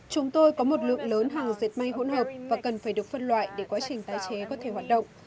chúng tôi có một lượng lớn hàng diệt may hỗn hợp và cần phải được phân loại để quá trình tái chế có thể hoạt động